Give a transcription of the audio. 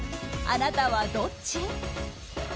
あなたはどっち？